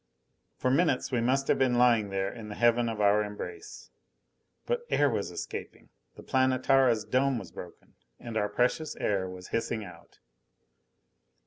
For minutes we must have been lying there in the heaven of our embrace. But air was escaping! The Planetara's dome was broken and our precious air was hissing out.